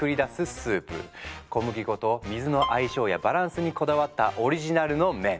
小麦粉と水の相性やバランスにこだわったオリジナルの麺。